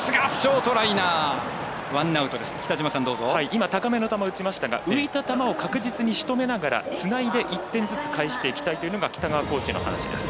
今、高めの球、打ちましたが浮いた球を確実にしとめながらつないで１点ずつ返していきたいというのが北川コーチの話です。